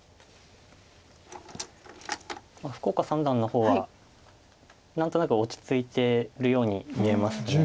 福岡三段の方は何となく落ち着いてるように見えます。